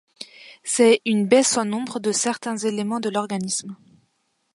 C'est une baisse en nombre de certains éléments de l'organisme.